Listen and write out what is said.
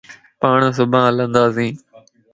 پاڻ صبح ھلنداسين